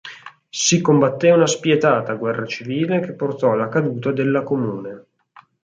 Si combatté una spietata guerra civile che portò alla caduta della Comune.